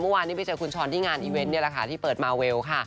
เมื่อวานนี้ไปเจอคุณช้อนที่งานอีเวนต์นี่แหละค่ะที่เปิดมาเวลค่ะ